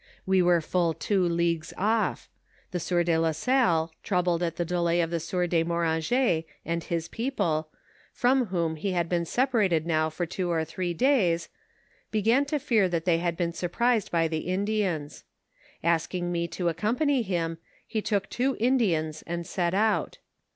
"We were full two leagues off; the sieur de la Salle, troubled at the delay of the sieur de Moranget and his people, from whom he had been separated now for two or three days, began to fear that they had been surprised by the Indians. Asking me to accompany him, he took two Indians and set out.